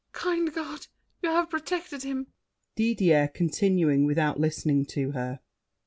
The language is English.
Kind God, You have protected him! DIDIER (continuing, without listening to her).